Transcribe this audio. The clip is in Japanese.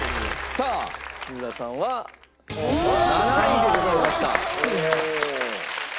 さあ三村さんは７位でございました。